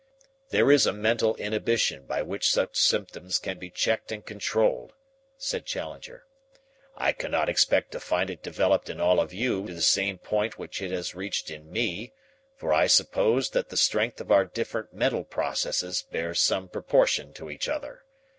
"There is a mental inhibition by which such symptoms can be checked and controlled," said Challenger. "I cannot expect to find it developed in all of you to the same point which it has reached in me, for I suppose that the strength of our different mental processes bears some proportion to each other.